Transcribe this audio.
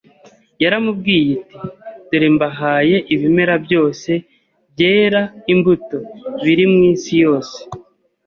Yaramubwiye iti, “Dore mbahaye ibimera byose byera imbuto biri mu isi yose